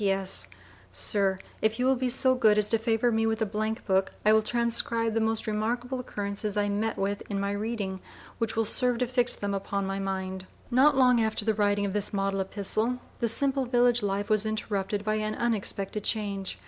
P.S. Sir, if you will be so good as to favor me with a Blank book, I will transcribe the most remarkable occurrences I met with in my reading, which will serve to fix them upon my mind. Not long after the writing of this model epistle, the simple village life was interrupted by an unexpected change.